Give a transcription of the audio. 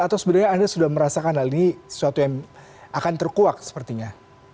atau sebenarnya anda sudah merasakan hal ini sesuatu yang akan terkuak sepertinya